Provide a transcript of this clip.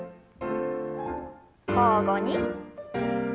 交互に。